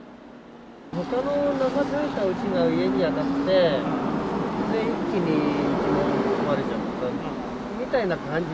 ほかの流された家が家に当たって、一気に壊れちゃったみたいな感じ。